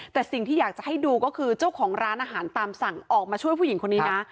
แต่สิ่งที่อยากจะให้ดูก็คือเจ้าของร้านอาหารตามสั่งออกมาช่วยผู้หญิงคนนี้นะ